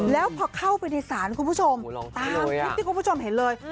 แล้วพอเข้าไปในศาลคุณผู้ชมตามคลิปที่คุณผู้ชมเห็นเลย